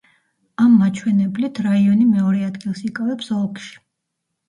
ამ მაჩვენებლით რაიონი მეორე ადგილს იკავებს ოლქში.